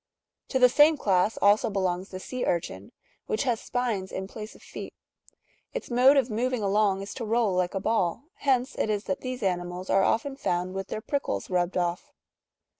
To the same class^^ also belongs the sea urchin,^ which has spines in place of feet ;" its mode of moving along is to roll like a ball, hence it is that these animals are often found with their prickles rubbed off.